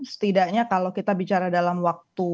setidaknya kalau kita bicara dalam waktu